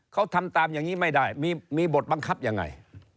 เขาทำตามอย่างนี้ไม่ได้มีบทบังคับยังไง